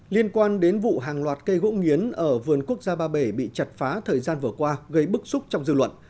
liên quan đến vụ hàng loạt cây gỗ nghiến ở vườn quốc gia ba bể bị chặt phá thời gian vừa qua gây bức xúc trong dư luận